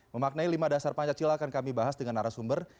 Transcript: memaknai lima dasar pancasila akan kami bahas dengan arah sumber